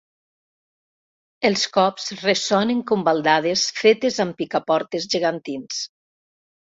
Els cops ressonen com baldades fetes amb picaportes gegantins.